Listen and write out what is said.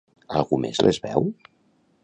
Algú més les veu?